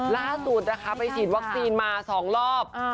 ล่าสุดไปฉีดวัคซีนมาสองรอบ